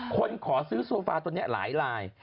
คนขอซื้อโซฟาตัวนี้หลาย